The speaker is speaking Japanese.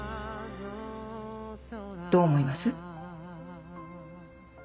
どう思います？